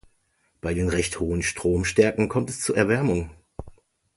Bei den recht hohen Stromstärken kommt es zur Erwärmung.